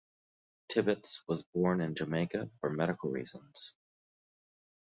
Tibbetts was born in Jamaica for medical reasons.